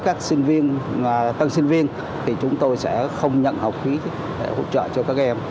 các sinh viên tân sinh viên thì chúng tôi sẽ không nhận học phí để hỗ trợ cho các em